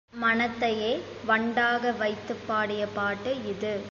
மனத்தையே வண்டாக வைத்துப் பாடிய பாட்டு இது.